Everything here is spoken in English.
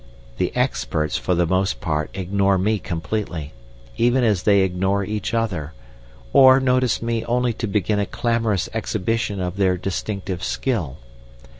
The experts for the most part ignore me completely, even as they ignore each other, or notice me only to begin a clamorous exhibition of their distinctive skill.